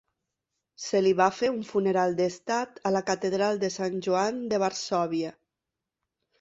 Se li va fer un funeral d'estat a la Catedral de Sant Joan de Varsòvia.